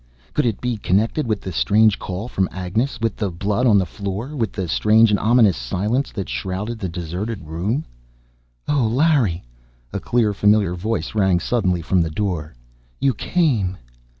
Could it be connected with the strange call from Agnes, with the blood on the floor, with the strange and ominous silence that shrouded the deserted room? "Oh, Larry!" a clear, familiar voice rang suddenly from the door. "You came!"